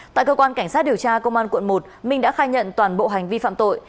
tại cơ quan cảnh sát điều tra công an quận một minh đã khai nhận toàn bộ hành vi phạm tội